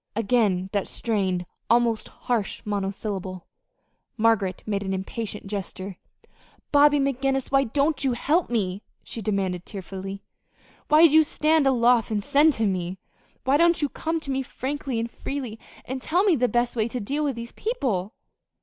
Again that strained, almost harsh monosyllable. Margaret made an impatient gesture. "Bobby McGinnis, why don't you help me?" she demanded, tearfully. "Why do you stand aloof and send to me? Why don't you come to me frankly and freely, and tell me the best way to deal with these people?"